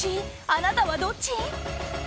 あなたはどっち？